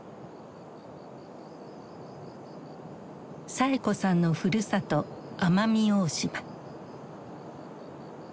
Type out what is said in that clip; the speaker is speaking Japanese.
サエ子さんのふるさと奄美大島。